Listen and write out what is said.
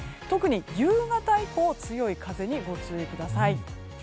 特に夕方以降強い風にご注意ください。